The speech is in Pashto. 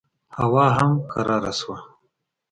هوا هم قراره شوه.